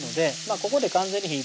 ここで完全に火ぃ